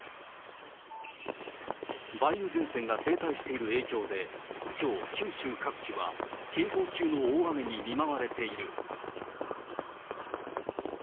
梅雨前線が停滞している影響で、きょう、九州各地は警報級の大雨に見舞われている。